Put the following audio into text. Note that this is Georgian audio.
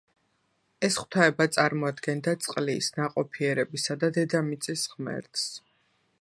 ეს ღვთაება წარმოადგენდა წყლის, ნაყოფიერებისა და დედამიწის ღმერთს.